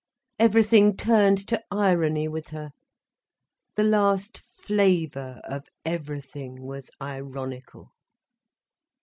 Everything turned to irony with her: the last flavour of everything was ironical.